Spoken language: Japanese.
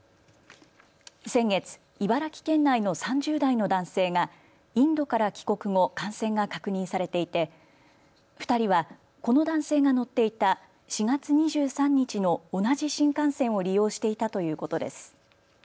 先月、茨城県内の３０代の男性がインドから帰国後、感染が確認されていて２人はこの男性が乗っていた４月２３日の同じ新幹線を利用していたということです。